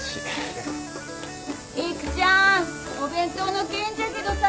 ・育ちゃんお弁当の件じゃけどさ。